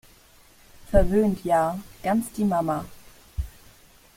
Verwöhnt ja - ganz die Mama!